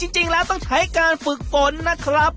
จริงแล้วต้องใช้การฝึกฝนนะครับ